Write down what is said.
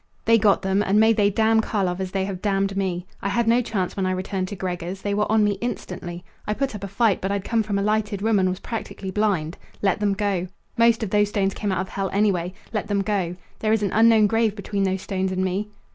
They got them, and may they damn Karlov as they have damned me! I had no chance when I returned to Gregor's. They were on me instantly. I put up a fight, but I'd come from a lighted room and was practically blind. Let them go. Most of those stones came out of hell, anyhow. Let them go. There is an unknown grave between those stones and me."